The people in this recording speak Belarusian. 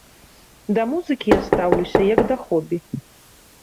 Да музыкі я стаўлюся як да хобі.